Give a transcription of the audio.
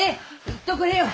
言っとくれよ。